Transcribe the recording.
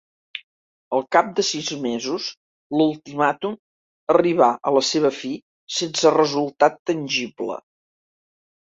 Al cap de sis mesos, l'ultimàtum arribà a la seva fi, sense resultat tangible.